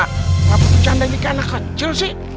kenapa pecanda ini kan kecil sih